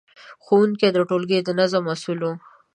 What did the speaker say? ښوونکي د ټولګي د نظم مسؤل وو.